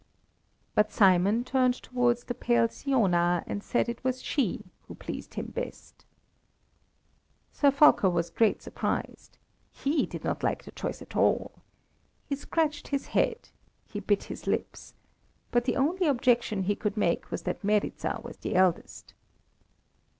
But Simon turned towards the pale Siona and said it was she who pleased him best. Sir Fulko was greatly surprised. He did not like the choice at all. He scratched his head. He bit his lips. But the only objection he could make was that Meryza was the eldest.